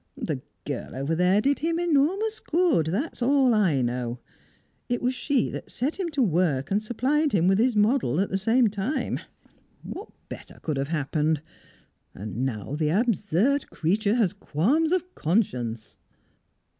The girl over there did him enormous good, that's all I know. It was she that set him to work, and supplied him with his model at the same time! What better could have happened. And now the absurd creature has qualms of conscience!"